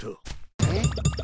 えっ？